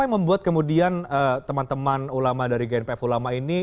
membuat kemudian teman teman ulama dari gnpf ulama ini